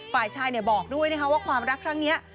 ฝ่ายชายเนี่ยบอกด้วยนะฮะว่าความรักครั้งเนี่ย